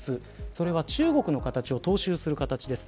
それは中国の形を踏襲する形です。